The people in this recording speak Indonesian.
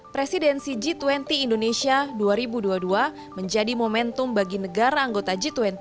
presidensi g dua puluh indonesia dua ribu dua puluh dua menjadi momentum bagi negara anggota g dua puluh